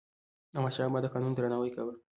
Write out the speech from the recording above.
احمدشاه بابا د قانون درناوی کاوه.